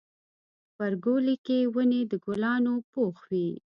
غبرګولی کې ونې د ګلانو پوښ وي.